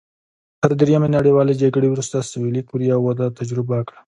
تر دویمې نړیوالې جګړې وروسته سوېلي کوریا وده تجربه کړه.